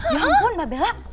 ya ampun mbak bella